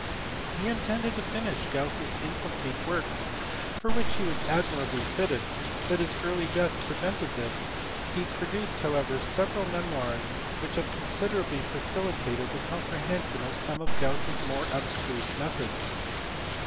He intended to finish Gauss s incomplete works, for which he was admirably fitted, but his early death prevented this ; he produced however several memoirs which have considerably facilitated the comprehension of some of Gauss s more abstruse methods.